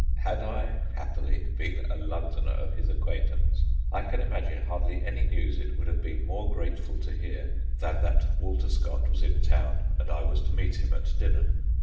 Had I happily been a Londoner of his acquaintance, I can imagine hardly any news it would have been more grateful to hear than that Walter Scott was in town and I was to meet him at dinner.